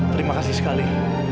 terima kasih sekali